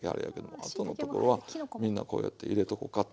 あとのところはみんなこうやって入れとこかって。